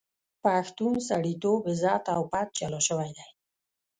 پښتون سړیتوب، عزت او پت جلا شوی دی.